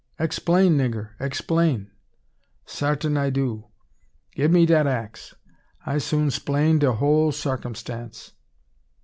"Explain, nigger, explain!" "Sartin I do. Gib me dat axe. I soon 'splain de whole sarkumstance."